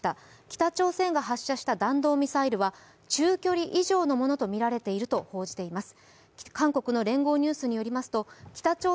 北朝鮮が発射した弾道ミサイルは中距離以上のものとみられていると報じています。